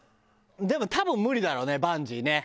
でも多分無理だろうねバンジーね。